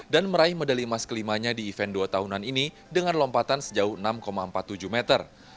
dan meraih medali emas kelimanya di event dua tahunan ini dengan lompatan sejauh enam empat puluh tujuh meter